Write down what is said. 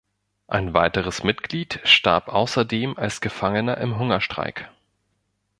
Ein weiteres Mitglied starb außerdem als Gefangener im Hungerstreik.